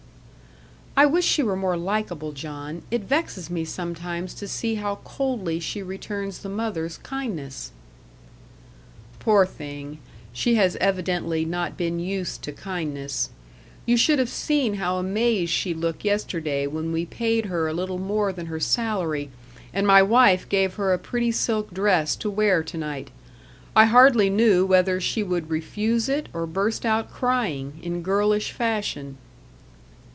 "I wish she were more likeable, John. It vexes me sometimes to see how coldly she returns the mother's kindness." "Poor thing! she has evidently not been used to kindness. You should have seen how amazed she looked yesterday when we paid her a little more than her salary, and my wife gave her a pretty silk dress to wear to night. I hardly knew whether she would refuse it, or burst out crying in girlish fashion."